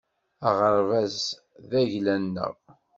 Aɣerbaz-a d agla-nneɣ